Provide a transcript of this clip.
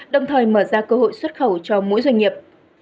đồng thời mở ra cơ hội xuất khẩu cho mỗi doanh nghiệp